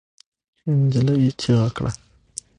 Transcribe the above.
نجلۍ چیغه کړه.